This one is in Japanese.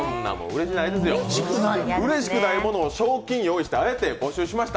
うれしくないものを賞金用意して、あえて募集しました。